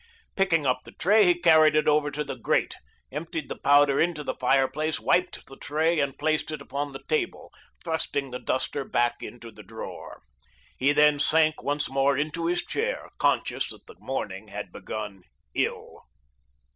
Picking up the tray he carried it over to the grate, emptied the powder into the fireplace, wiped the tray and replaced it upon the table, thrusting the duster back into the drawer. He then sank once more into his chair, conscious that the morning had begun ill.